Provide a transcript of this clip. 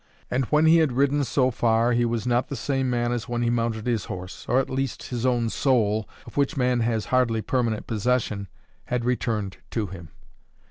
And when he had ridden so far he was not the same man as when he mounted his horse, or at least, his own soul, of which man has hardly permanent possession, had returned to him.